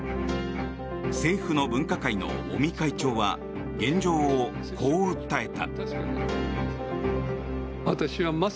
政府の分科会の尾身会長は現状をこう訴えた。